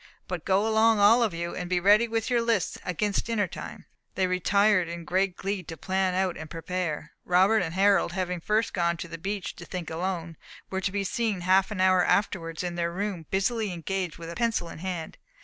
But go along all of you, and be ready with your lists against dinner time." They retired in great glee to plan out and prepare. Robert and Harold, having first gone to the beach to think alone, were to be seen, half an hour afterwards, in their room, busily engaged with pencil in hand.